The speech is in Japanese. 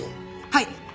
はい！